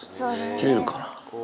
切れるかな。